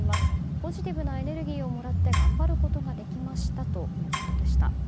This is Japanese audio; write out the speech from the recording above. ポジティブなエネルギーをもらって頑張ることができましたということでした。